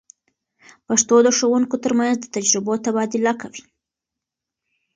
پښتو د ښوونکو تر منځ د تجربو تبادله کوي.